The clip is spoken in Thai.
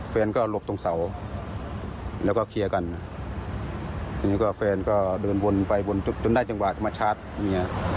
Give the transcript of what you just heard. แฟนก็หลบตรงเสาแล้วก็เคลียร์กันทีนี้ก็แฟนก็เดินวนไปวนจนได้จังหวะมาชาร์จอย่างเงี้ย